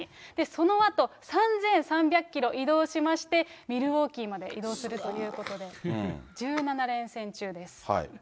そのあと、３３００キロ移動しまして、ミルウォーキーまで移動するということで、１７連戦中です。